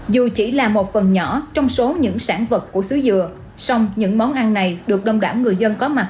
dù chỉ là một phần nhỏ trong số những sản vật của sứ dừa song những món ăn này được đồng đảm người dân có mặt